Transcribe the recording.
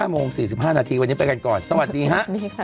โมง๔๕นาทีวันนี้ไปกันก่อนสวัสดีครับ